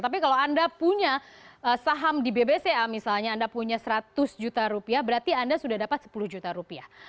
tapi kalau anda punya saham di bbca misalnya anda punya seratus juta rupiah berarti anda sudah dapat sepuluh juta rupiah